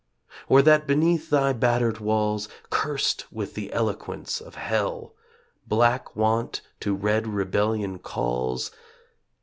Or that beneath thy battered walls, Cursed with the eloquence of hell, Black Want to red Rebellion calls